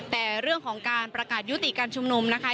แต่เรื่องของการประกาศยุติการชุมนุมนะคะ